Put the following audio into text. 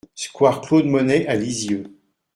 Square Claude Monet à Lisieux